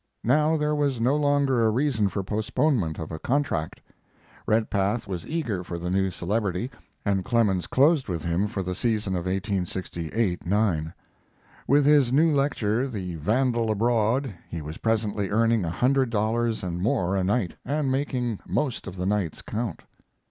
Now there was no longer a reason for postponement of a contract. Redpath was eager for the new celebrity, and Clemens closed with him for the season of 1868 9. With his new lecture, "The Vandal Abroad," he was presently earning a hundred dollars and more a night, and making most of the nights count.